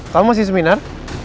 kamu mau si seminar